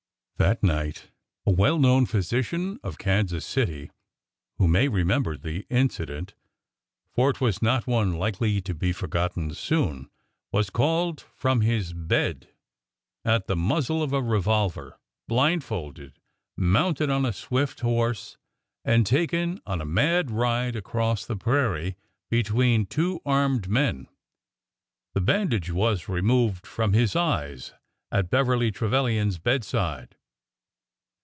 That night a well known physician of Kansas City— who may remember the incident, for it was not one likely to be forgotten soon— was called from his bed at the muz zle of a revolver, blindfolded, mounted on a swift horse, and taken on a mad ride across the prairie, between two armed men. The bandage was removed from his eyes at Beverly Trevilian's bedside.